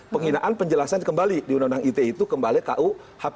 penghinaan penjelasan kembali di undang undang ite itu kembali kuhp